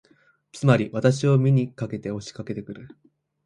つまり、これは私を見に押しかけて来るやじ馬のいたずらを防ぐためです。